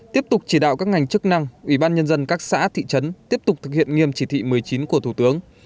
tiếp tục chỉ đạo các ngành chức năng ủy ban nhân dân các xã thị trấn tiếp tục thực hiện nghiêm chỉ thị một mươi chín của thủ tướng